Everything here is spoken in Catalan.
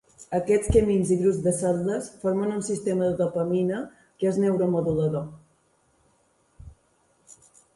Aquests camins i grups de cel·les formen un sistema de dopamina que és neuromodulador.